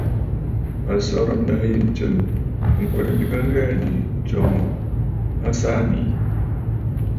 A sɔrə̀ ǹdâ yì ntsɨ̀m ŋ̀kwerə ntɨgə ŋghɛɛ nii tso ŋù a saa nii.